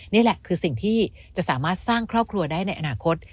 นี่แหละคือสิ่งที่จะสามารถสร้างครอบครัวได้ในอนาคต